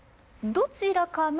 どちらかの。